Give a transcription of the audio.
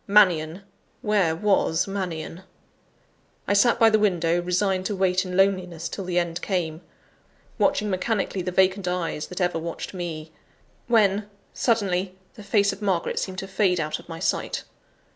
Mannion! where was Mannion?) I sat by the window, resigned to wait in loneliness till the end came, watching mechanically the vacant eyes that ever watched me when, suddenly, the face of Margaret seemed to fade out of my sight.